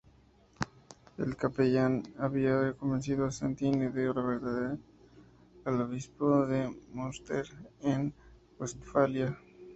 El capellán había ya convencido Santini de venderla al obispo de Münster, en Westfalia.